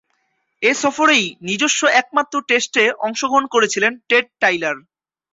এ সফরেই নিজস্ব একমাত্র টেস্টে অংশগ্রহণ করেছিলেন টেড টাইলার।